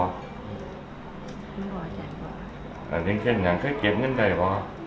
โดยง่ายน่าก็เก็บเหมือนไช่บอ